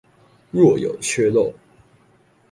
若有缺漏